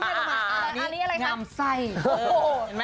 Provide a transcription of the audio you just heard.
ถ้าทางหน้าก็คืองามหน้า